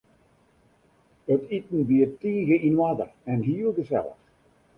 It iten wie tige yn oarder en hiel gesellich.